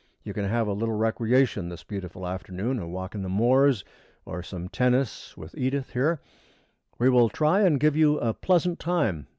You can have a little recreation this beautiful afternoon a walk on the moors, or some tennis with Edith here. We will try and give you a pleasant time.